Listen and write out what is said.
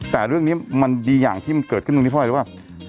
แต่เรื่องนี้มันดีอย่างที่มันเกิดขึ้นตรงนี้เพราะอะไรว่า